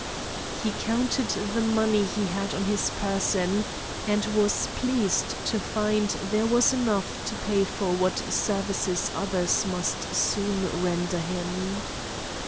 He counted the money he had on his person and was pleased to find there was enough to pay for what services others soon must render him.